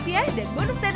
mama akan bantu